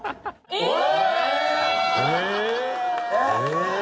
えっ？